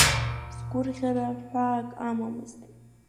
Сгәырӷьара ҳәаак амамызт.